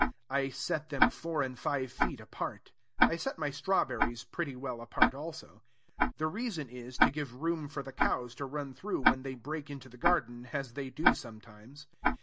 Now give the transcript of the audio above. I set them four and five feet apart. I set my strawberries pretty well apart also. The reason is, to give room for the cows to run through when they break into the garden, as they do sometimes.